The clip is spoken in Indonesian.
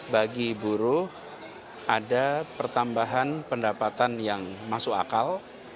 bagi buruh ada pertambahan pendapatan yang masuk akal